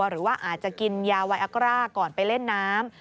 หรือว่าอาจจะกินยาไวอักร่าก่อนไปเล่นน้ำ